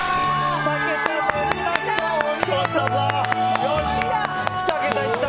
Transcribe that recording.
２桁乗りました